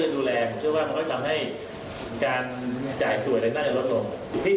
มันต้องเอาผิดไล่กันถึงไม่ให้เจ้าของลดหรอก